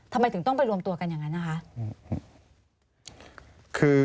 ทำไมถึงต้องไปรวมตัวกันอย่างนั้นนะคะ